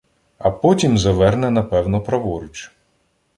А потім заверне, напевно, праворуч.